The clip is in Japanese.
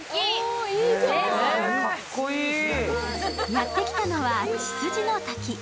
やってきたのは、千条の滝。